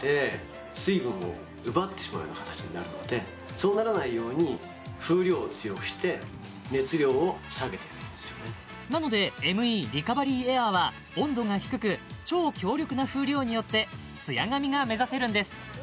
それによって髪が傷んでしまう原因になりますねなのでＭＥリカバリーエアーは温度が低く超強力な風量によってツヤ髪が目指せるんです